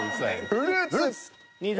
「フルーツ」。